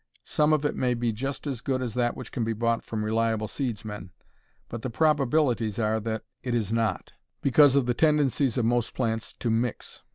Some of it may be just as good as that which can be bought from reliable seedsmen, but the probabilities are that it is not, because of the tendencies of most plants to "mix."